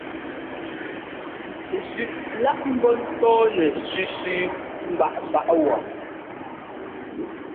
Zʉꞌ lá ḿbɔ́ ńtɔ́ɔnɛ sʉsʉ mbaꞌámbaꞌá wɔ.